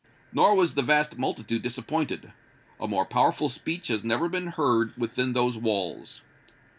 Nor was the vast multitude disappointed. A more powerful speech has never been heard within those walls.